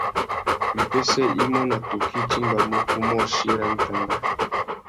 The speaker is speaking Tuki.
Wipêssê imô nà tukí i timbamú ukúmôchï râ wikangá.